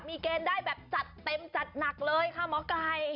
มีเกณฑ์ได้แบบจัดเต็มจัดหนักเลยค่ะหมอไก่